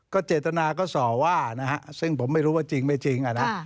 เจตนาก็ส่อว่านะฮะซึ่งผมไม่รู้ว่าจริงไม่จริง